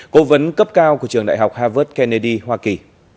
cố vấn cấp cao của trường đại học harvard kennedy hoa kỳ